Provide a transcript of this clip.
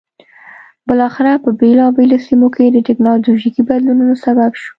بالاخره په بېلابېلو سیمو کې د ټکنالوژیکي بدلونونو سبب شو.